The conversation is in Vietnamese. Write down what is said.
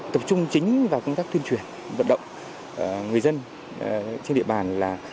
tập trung chính vào công tác tuyên truyền vận động người dân trên địa bàn là